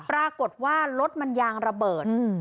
ปรากฏว่ารถมันยางระเบิด